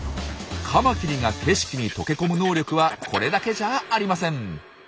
カマキリが景色に溶け込む能力はこれだけじゃありません。